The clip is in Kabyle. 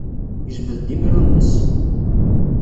Yejbed-d imru-nnes.